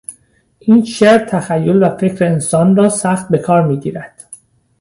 این شعر تخیل و فکر انسان را سخت به کار میگیرد.